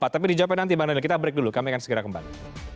tapi di jawa timur nanti kita break dulu kami akan segera kembali